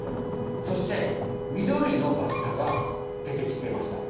そしてみどりのバッタが出てきてました。